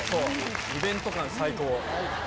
イベント感、最高。